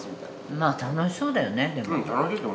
まあ楽しそうだよねでも。